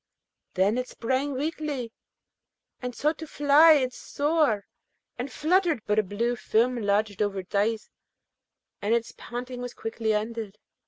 Then it sprang weakly, and sought to fly and soar, and fluttered; but a blue film lodged over its eyes, and its panting was quickly ended.